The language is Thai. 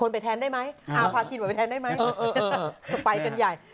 ไปแทนได้ไหมไปกันใหญ่